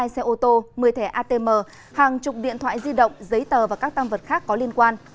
hai xe ô tô một mươi thẻ atm hàng chục điện thoại di động giấy tờ và các tam vật khác có liên quan